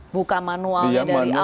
buka manualnya dari awal